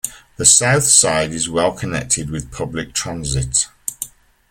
The South Side is well-connected with public transit.